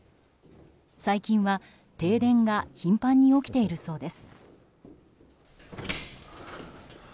最近は、停電が頻繁に起きているそうです。